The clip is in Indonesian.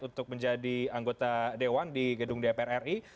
untuk menjadi anggota dewan di gedung dpr ri